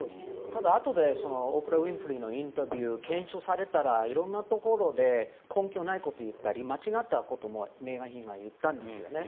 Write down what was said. ただ、あとでオプラ・ウィンフリーのインタビューを検証されたら色んなところで根拠のないことを言ったり間違ったこともメーガン妃が言ったんですよね。